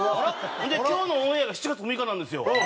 で今日のオンエアが７月６日なんですよ。